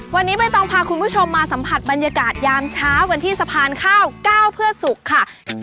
วันนี้ใบตองพาคุณผู้ชมมาสัมผัสบรรยากาศยามเช้ากันที่สะพานข้าว๙เพื่อศุกร์ค่ะ